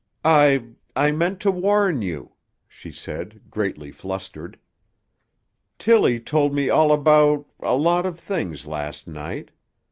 "I—I meant to warn you," she said, greatly flustered. "Tilly told me all about—a lot of things last night.